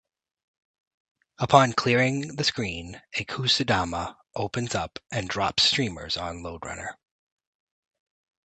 Upon clearing the screen a kusudama opens up and drops streamers on Lode Runner.